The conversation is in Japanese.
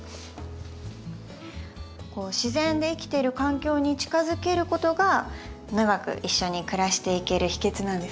自然で生きてる環境に近づけることが長く一緒に暮らしていける秘けつなんですね。